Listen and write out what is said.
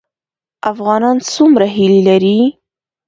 افغانان څومره هیلې لري؟